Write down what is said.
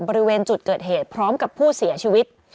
บริเวณจุดเกิดเหตุพร้อมกับผู้เสียชีวิต